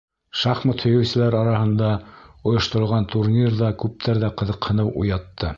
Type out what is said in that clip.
Шахмат һөйөүселәр араһында ойошторолған турнир ҙа күптәрҙә ҡыҙыҡһыныу уятты.